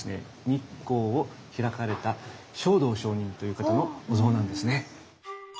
日光を開かれた勝道上人という方のお像なんですね。